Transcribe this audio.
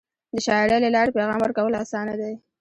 د شاعری له لارې پیغام ورکول اسانه دی.